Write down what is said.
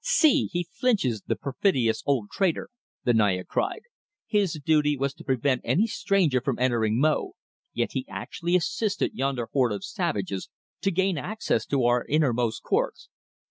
"See! he flinches, the perfidious old traitor!" the Naya cried. "His duty was to prevent any stranger from entering Mo, yet he actually assisted yonder horde of savages to gain access to our innermost courts.